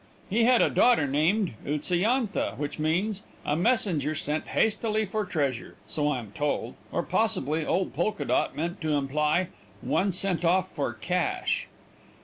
He had a daughter named Utsa yantha, which means "a messenger sent hastily for treasure," so I am told, or possibly old Polka Dot meant to imply "one sent off for cash."